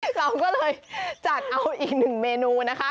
เราก็เลยจัดเอาอีกหนึ่งเมนูนะคะ